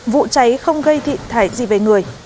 vụ cháy không gây thị thải gì về người